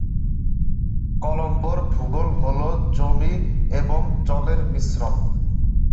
কলম্বোর ভূগোল হল জমি এবং জলের মিশ্রণ।